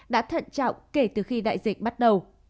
đã thận trọng kể từ khi đại dịch bắt đầu